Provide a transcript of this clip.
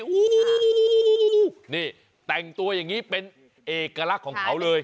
โอ้โหนี่แต่งตัวอย่างนี้เป็นเอกลักษณ์ของเขาเลย